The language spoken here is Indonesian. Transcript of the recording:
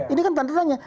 ini kan tanda tanya